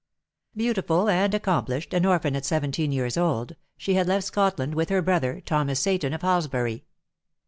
Beautiful and accomplished, an orphan at seventeen years old, she had left Scotland with her brother, Thomas Seyton of Halsbury.